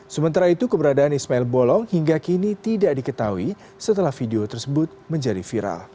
sementara itu keberadaan ismail bolong hingga kini tidak diketahui setelah video tersebut menjadi viral